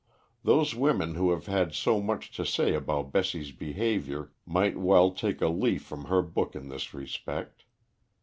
Those women who have had so much to say about Bessie's behaviour might well take a leaf from her book in this respect.